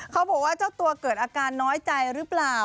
เขาบอกว่าเจ้าตัวเกิดอาการน้อยใจหรือเปล่า